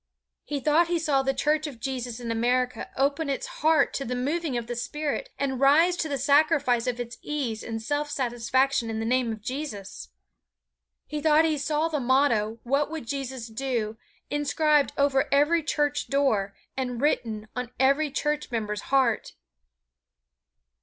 He thought he saw the church of Jesus in America open its heart to the moving of the Spirit and rise to the sacrifice of its ease and self satisfaction in the name of Jesus. He thought he saw the motto, "What would Jesus do?" inscribed over every church door, and written on every church member's heart.